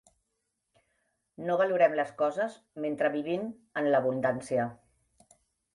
No valorem les coses mentre vivim en l'abundància.